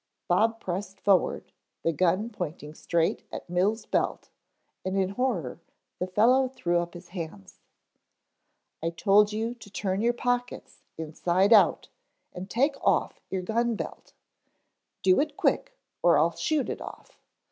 Bob pressed forward, the gun pointing straight at Mills' belt and in terror the fellow threw up his hands. "I told you to turn your pockets inside out, and take off your gun belt. Do it quick or I'll shoot it off.